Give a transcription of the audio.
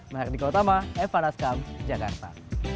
maha ketika utama evan raskam jakarta